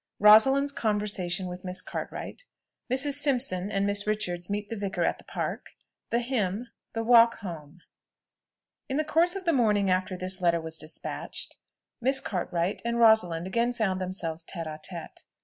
ROSALIND'S CONVERSATION WITH MISS CARTWRIGHT. MRS. SIMPSON AND MISS RICHARDS MEET THE VICAR AT THE PARK. THE HYMN. THE WALK HOME. In the course of the morning after this letter was despatched, Miss Cartwright and Rosalind again found themselves tête à tête.